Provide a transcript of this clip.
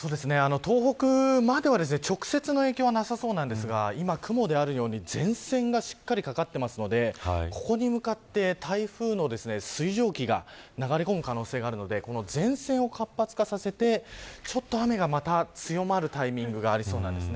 東北までは、直接の影響はなさそうなんですが今、雲であるように前線がしっかりかかっていますのでここに向かって台風の水蒸気が流れ込む可能性があるので前線を活発化させてちょっと、また雨が強まるタイミングがありそうなんです。